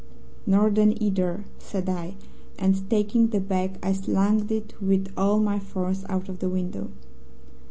"'Nor then, either,' said I, and taking the bag I slung it with all my force out of the window.